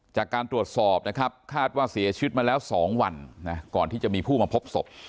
จากการตรวจสอบนะครับคาดว่าเสียชีวิตมาแล้ว๒วันก่อนที่จะมีผู้มาพบศพ